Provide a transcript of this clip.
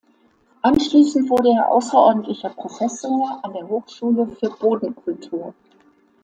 Anschließend wurde er außerordentlicher Professor an der Hochschule für Bodenkultur.